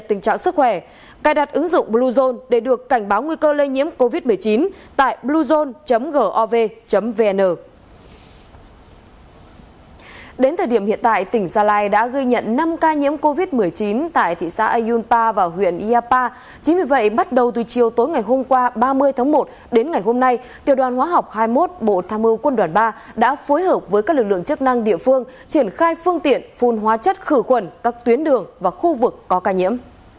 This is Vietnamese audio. tiểu đoàn hóa học hai mươi một bộ tham mưu quân đoàn ba đã phối hợp với các lực lượng chức năng địa phương triển khai phương tiện phun hóa chất khử khuẩn các tuyến đường và khu vực có ca nhiễm